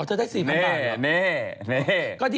เธอได้๔๐๐๐บาทเหรอ